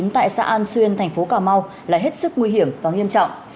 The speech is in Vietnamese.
tại xã an xuyên thành phố cà mau là hết sức nguy hiểm và nghiêm trọng